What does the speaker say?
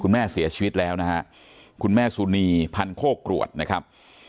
แม่เสียชีวิตแล้วนะฮะคุณแม่สุนีพันโคกรวดนะครับ